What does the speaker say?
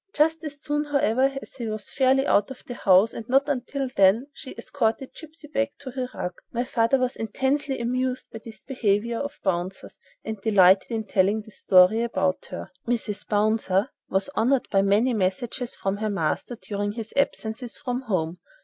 Just as soon, however, as he was fairly out of the house, and not until then, she escorted "Gipsy" back to her rug. My father was intensely amused by this behaviour of "Bouncer's" and delighted in telling this story about her. "Mrs. Bouncer" was honored by many messages from her master during his absences from home.